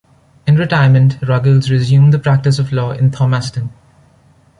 In retirement, Ruggles resumed the practice of law in Thomaston.